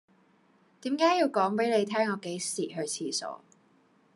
點解要講俾你聽我幾時去廁所